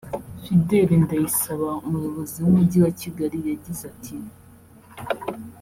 Fidele Ndayisaba Umuyobozi w’Umujyi wa Kigali yagize ati